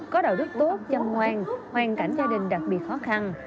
có đạo đức tốt chăm ngoan hoàn cảnh gia đình đặc biệt khó khăn